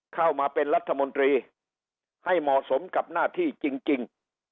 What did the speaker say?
เข้ามาเป็นรัฐมนตรีให้เหมาะสมกับหน้าที่จริง